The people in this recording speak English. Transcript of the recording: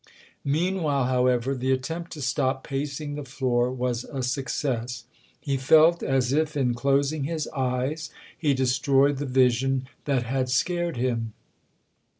Meanwhile, however, the attempt to stop pacing the floor was a success : he felt as if in closing his eyes he destroyed the 90 THE OTHER HOUSE vision that had scared him.